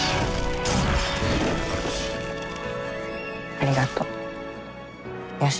ありがとう吉信。